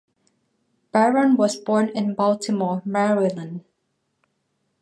Byron was born in Baltimore, Maryland.